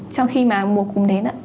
trong khi mà mùa cúm đến